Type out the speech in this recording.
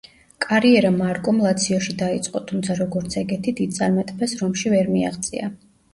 კარიერა მარკომ ლაციოში დაიწყო, თუმცა როგორც ეგეთი დიდ წარმატებას რომში ვერ მიაღწია.